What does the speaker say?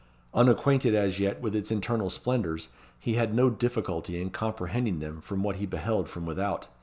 Unacquainted as yet with its internal splendours, he had no difficulty in comprehending them from what he beheld from without.